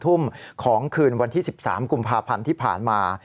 ทุ่มของคืนวันที่๑๓กุมภาพันธ์ที่ผ่านมา